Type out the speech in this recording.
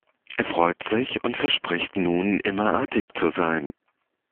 Er freut sich und verspricht nun immer artig zu sein.